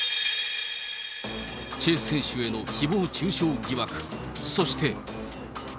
チェ選手へのひぼう中傷疑惑、そして。